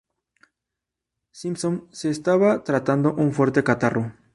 Simpson se estaba tratando un fuerte catarro.